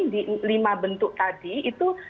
di lima bentuk tadi itu